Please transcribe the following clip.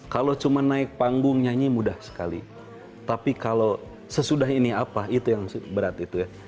kalau cuma naik panggung nyanyi mudah sekali tapi kalau sesudah ini apa itu yang berat itu ya